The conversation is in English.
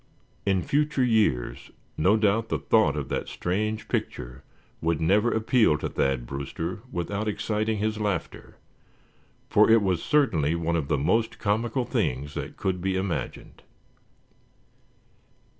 In future years no doubt the thought of that strange picture would never appeal to Thad Brewster without exciting his laughter; for it was certainly one of the most comical things that could be imagined.